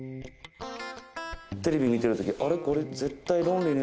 テレビ見てる時あれ？